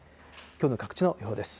きょうの各地の予報です。